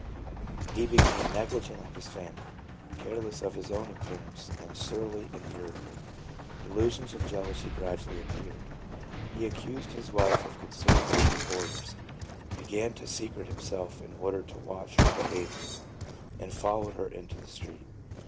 He became negligent of his family, careless of his own appear ance, and surly and irritable. Delusions of jealousy gradually appeared, he accused his wife of consorting with her boarders, began to secrete himself in order to watch her behaviour, and followed her into the street.